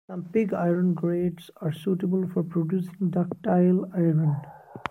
Some pig iron grades are suitable for producing ductile iron.